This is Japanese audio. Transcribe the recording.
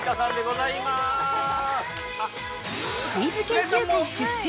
◆クイズ研究会出身！